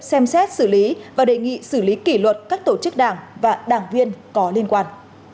xem xét xử lý và đề nghị xử lý kỷ luật các tổ chức đảng và đảng viên có liên quan